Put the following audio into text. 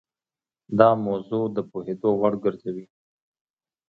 دا موضوع د پوهېدو وړ ګرځوي.